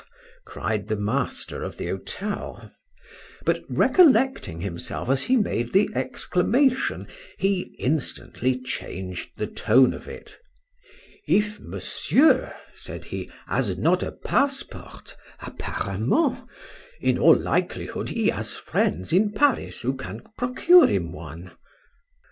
cried the master of the hotel; but recollecting himself as he made the exclamation, he instantly changed the tone of it.—If Monsieur, said he, has not a passport (apparemment) in all likelihood he has friends in Paris who can procure him one.